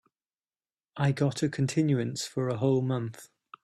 I got a continuance for a whole month.